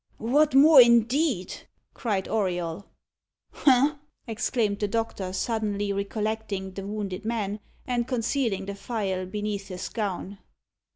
"What more, indeed!" cried Auriol. "Ha!" exclaimed the doctor, suddenly recollecting the wounded man, and concealing the phial beneath his gown.